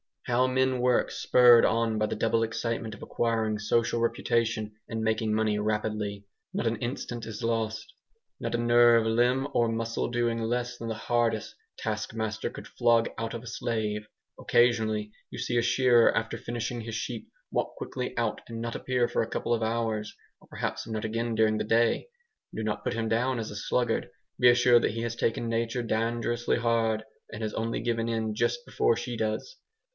How men work spurred on by the double excitement of acquiring social reputation and making money rapidly! Not an instant is lost; not a nerve, limb, or muscle doing less than the hardest task master could flog out of a slave. Occasionally you see a shearer, after finishing his sheep, walk quickly out and not appear for a couple of hours, or perhaps not again during the day. Do not put him down as a sluggard; be assured that he has tasked nature dangerously hard, and has only given in just before she does.